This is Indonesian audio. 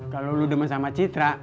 kalau lo demen sama citra